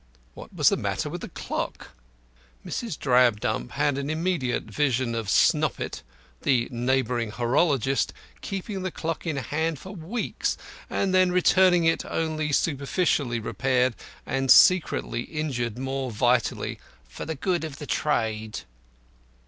What was the matter with the clock? Mrs. Drabdump had an immediate vision of Snoppet, the neighbouring horologist, keeping the clock in hand for weeks and then returning it only superficially repaired and secretly injured more vitally "for the good of the trade."